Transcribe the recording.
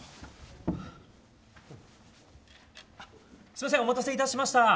すみませんお待たせいたしました。